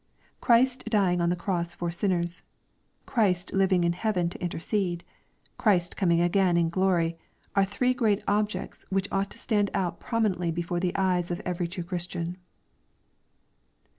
Christ dying on the cross for sinners, — Christ living in heaven to intercede, — Christ coming again in glory, are three great objects which ought to stand out prominently before the eyes of every true Christian.